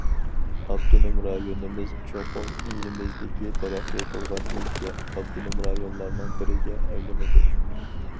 ئاپتونوم رايونىمىز چوقۇم ئېلىمىزدىكى تەرەققىي قىلغان ئۆلكە، ئاپتونوم رايونلارنىڭ بىرىگە ئايلىنىدۇ.